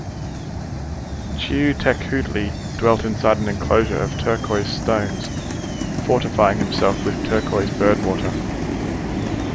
Xiuhtecuhtli dwelt inside an enclosure of turquoise stones, fortifying himself with turquoise bird water.